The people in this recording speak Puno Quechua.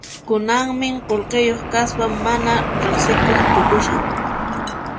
Kunanmi qullqiyuq kaspa mana riqsikuq tukushan.